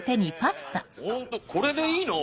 ホントこれでいいの？